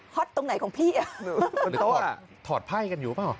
ฮอตตรงไหนของพี่หรือว่าถอดไพ่กันอยู่เปล่า